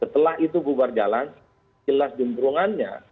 setelah itu bubar jalan jelas jumprungannya